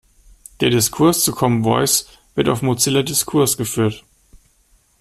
Der Diskurs zu Common Voice wird auf Mozilla Discourse geführt.